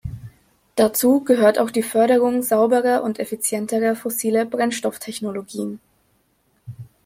Dazu gehört auch die Förderung sauberer und effizienterer fossiler Brennstofftechnologien.